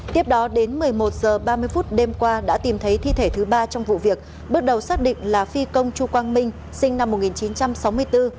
tiếp đó đến một mươi một h ba mươi phút đêm qua đã tìm thấy thi thể thứ ba trong vụ việc bước đầu xác định là phi công chu quang minh sinh năm một nghìn chín trăm sáu mươi bốn